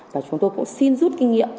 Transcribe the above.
và chúng tôi cũng xin rút kinh nghiệm